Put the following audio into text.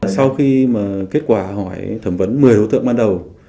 sau khi kết quả hỏi thẩm vấn một mươi đối tượng ban đầu